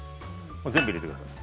全部入れてください。